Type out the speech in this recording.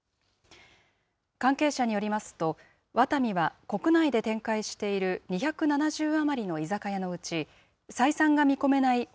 関係者によりますと、ワタミは国内で展開している２７０余りの居酒屋のうち、採算が見込めない